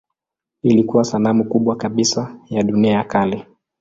Ilikuwa sanamu kubwa kabisa ya dunia ya kale.